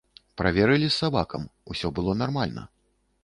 Праверылі з сабакам, усё было нармальна.